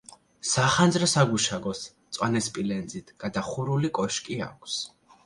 სახანძრო საგუშაგოს მწვანე სპილენძით გადახურული კოშკი აქვს.